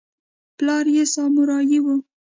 پلار یې سامورايي و.